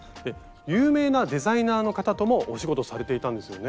有名なデザイナーの方ともお仕事されていたんですよね？